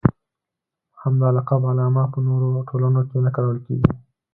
همدا لقب علامه په نورو ټولنو کې نه کارول کېږي.